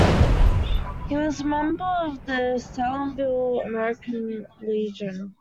He was a member of the Salineville American Legion.